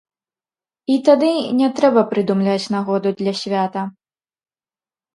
І тады не трэба прыдумляць нагоду для свята.